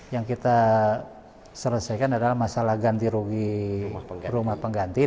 yang kita selesaikan adalah masalah ganti rugi rumah pengganti